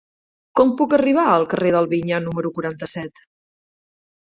Com puc arribar al carrer del Vinyar número quaranta-set?